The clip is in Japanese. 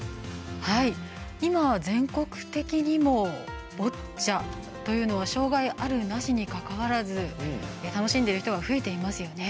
今、全国的にもボッチャというのは障がいあるなしにかかわらず楽しんでいる人が増えていますよね。